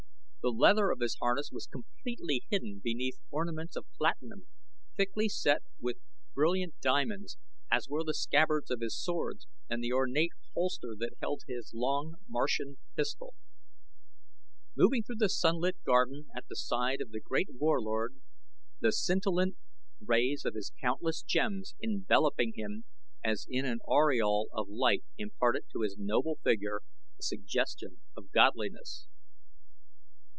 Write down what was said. The leather of his harness was completely hidden beneath ornaments of platinum thickly set with brilliant diamonds, as were the scabbards of his swords and the ornate holster that held his long, Martian pistol. Moving through the sunlit garden at the side of the great Warlord, the scintillant rays of his countless gems enveloping him as in an aureole of light imparted to his noble figure a suggestion of godliness.